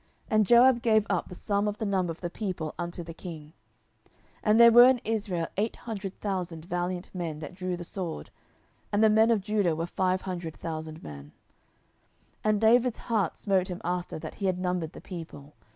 10:024:009 And Joab gave up the sum of the number of the people unto the king: and there were in Israel eight hundred thousand valiant men that drew the sword; and the men of Judah were five hundred thousand men. 10:024:010 And David's heart smote him after that he had numbered the people.